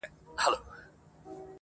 مور بې حاله ده او خبري نه سي کولای،